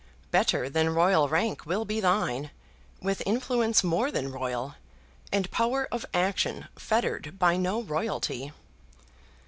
Better than royal rank will be thine, with influence more than royal, and power of action fettered by no royalty.